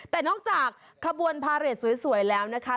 แต่นอกจากขบวนพาเรทสวยแล้วนะคะ